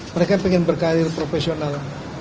mereka ingin berkarir profesional